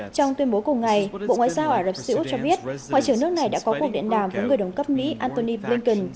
trong tuyên bố cùng ngày bộ ngoại giao ả rập xê út cho biết ngoại trưởng nước này đã có cuộc điện đàm với người đồng cấp mỹ antony blinken